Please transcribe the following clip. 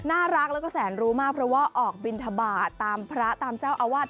น่ารักแล้วก็แสนรู้มากเพราะว่าออกบินทบาทตามพระตามเจ้าอาวาส